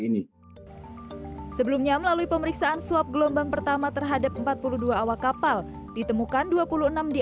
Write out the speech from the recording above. ini sebelumnya melalui pemeriksaan swab gelombang pertama terhadap empat puluh dua awak kapal ditemukan dua puluh enam di